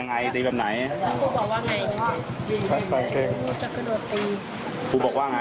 กระสาทีครบ๑๐๐หรือยัง